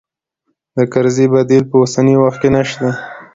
د کرزي بديل په اوسني وخت کې نه شته.